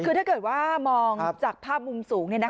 คือถ้าเกิดว่ามองจากภาพมุมสูง